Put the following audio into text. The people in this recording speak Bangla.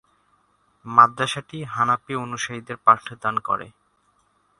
মাদ্রাসাটি হানাফি অনুসারীদের পাঠদান করে।